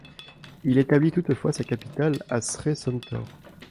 Il établit toutefois sa capitale à Srey Santhor.